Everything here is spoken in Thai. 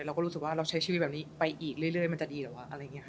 เราก็รู้สึกว่าเราใช้ชีวิตแบบนี้ไปอีกเรื่อยมันจะดีหรอวะ